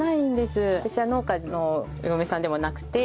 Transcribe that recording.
私は農家のお嫁さんでもなくて。